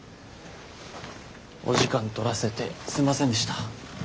お時間取らせてすんませんでした。